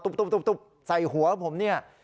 ตุ๊บใส่หัวผมเนี่ย